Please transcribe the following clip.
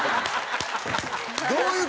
「どういう事」